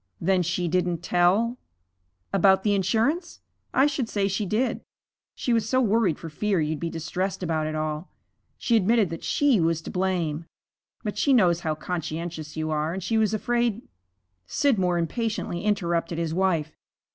'Then she didn't tell ' 'About the insurance? I should say she did. She was so worried for fear you'd be distressed about it all. She admitted that she was to blame. But she knows how conscientious you are, and she was afraid ' Scidmore impatiently interrupted his wife.